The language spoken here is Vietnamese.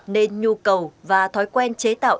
nên nhu cầu và thói quen chế tạo